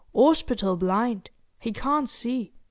'Orspital blind. He can't see.